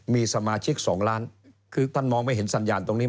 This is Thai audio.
มีสมาชิก๒ล้านคือท่านมองไม่เห็นสัญญาณตรงนี้